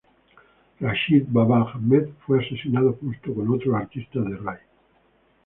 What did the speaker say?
Rachid Baba Ahmed fue asesinado junto con otros artistas de raï.